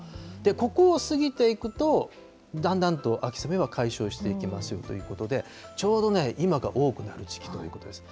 ここを過ぎていくと、だんだんと秋雨は解消していきますということで、ちょうどね、今が多くなる時期ということです。